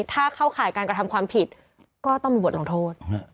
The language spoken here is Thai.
ถ้าเข้าข่ายการกระทำความผิดก็ต้องมีบทลงโทษ